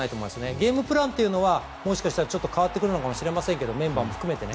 ゲームプランというのはもしかしたら変わってくるのかもしれませんけどメンバーも含めてね。